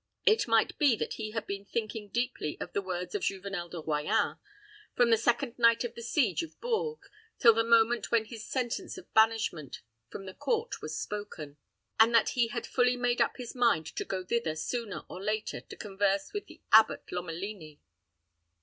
It might be that he had been thinking deeply of the words of Juvenel de Royans, from the second night of the siege of Bourges till the moment when his sentence of banishment from the court was spoken, and that he had fully made up his mind to go thither sooner or later to converse with the Abbot Lomelini.